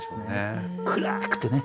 暗くてね。